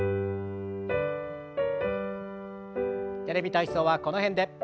「テレビ体操」はこの辺で。